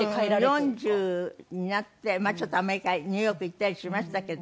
４０になってちょっとアメリカへニューヨーク行ったりしましたけど。